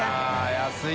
安い！